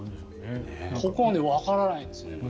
ここがわからないんですよね。